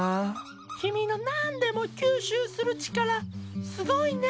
君のなんでも吸収する力すごいね！